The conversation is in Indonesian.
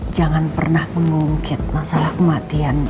jangan pernah mengungkit masalah kematian